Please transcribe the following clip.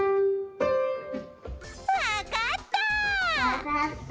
わかった！